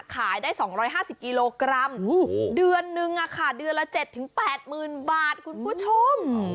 ขายได้๒๕๐กิโลกรัมเดือนนึงเดือนละ๗๘๐๐๐บาทคุณผู้ชม